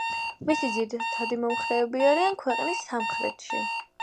მისი ძირითადი მომხრეები არიან ქვეყნის სამხრეთში.